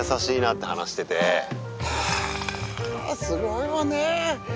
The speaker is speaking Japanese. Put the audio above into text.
すごいわね。